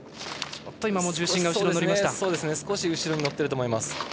少し重心が後ろに乗っていると思います。